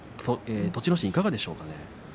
栃ノ心、いかがでしょうかね。